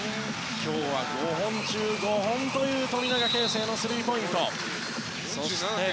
今日は５本中５本という富永啓生のスリーポイント。